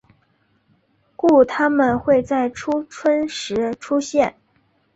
故它们会在初春时出现。